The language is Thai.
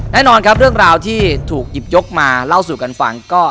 แน่นอนครับเรื่องราวที่ถูกหยิบยกมาเล่าสู่กันฟังก็